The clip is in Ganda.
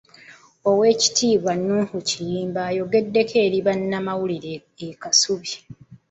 Oweekitiibwa Noah Kiyimba ayogeddeko eri bannamawulire e Kasubi.